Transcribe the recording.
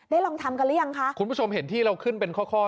ได้ลองทำกันรึยังคะคุณผู้ชมอย่างที่เห็นที่เราขึ้นเป็นข้อชังมาย